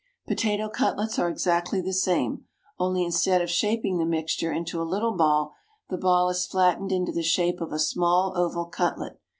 Potato cutlets are exactly the same, only instead of shaping the mixture into a little ball, the ball is flattened into the shape of a small oval cutlet.